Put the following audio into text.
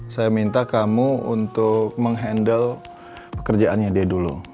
saya minta kamu untuk menghandle pekerjaannya dia dulu